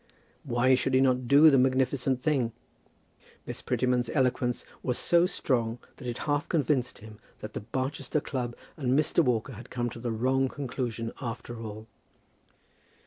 Why should he not do the magnificent thing? Miss Prettyman's eloquence was so strong that it half convinced him that the Barchester Club and Mr. Walker had come to a wrong conclusion after all.